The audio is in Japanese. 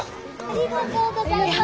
ありがとうございます。